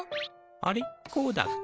あれこうだっけ？